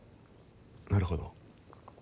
なるほど。